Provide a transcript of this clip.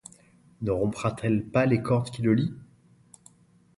Ne rompra-t-elle pas les cordes qui le lient ?